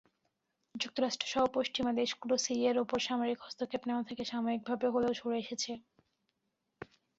যুক্তরাষ্ট্রসহ পশ্চিমা দেশগুলো সিরিয়ার ওপর সামরিক হস্তক্ষেপ নেওয়া থেকে সাময়িকভাবে হলেও সরে এসেছে।